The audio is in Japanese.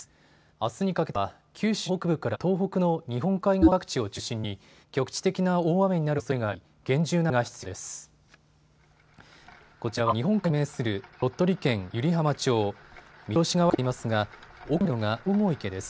あすにかけては九州北部から東北の日本海側の各地を中心に局地的な大雨になるおそれがあり厳重な警戒が必要です。